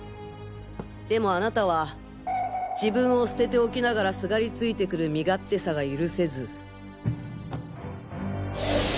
でもあなたは自分を捨てておきながらすがりついてくる身勝手さが許せず。